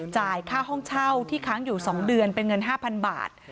จ่ายค่าห้องเช่าที่ค้างอยู่๒เดือนเป็นเงิน๕๐๐บาท